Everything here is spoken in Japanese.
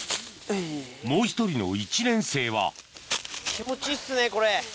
もう１人の１年生は気持ちいいっすねこれ。